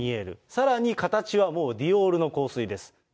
さらに、形はもう、ディオールの香水です。